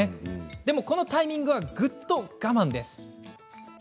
でも、このタイミングはぐっと我慢。